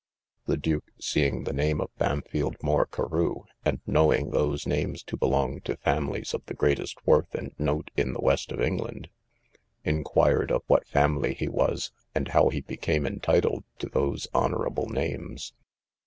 The duke seeing the name of Bampfylde Moore Carew, and knowing those names to belong to families of the greatest worth and note in the west of England, inquired of what family he was, and how he became entitled to those honourable names?